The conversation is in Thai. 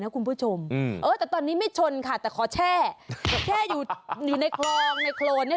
คุณผู้ชมเออแต่ตอนนี้ไม่ชนค่ะแต่ขอแช่แช่อยู่อยู่ในคลองในโครนเนี่ย